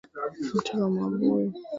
Mti wa mabuyu.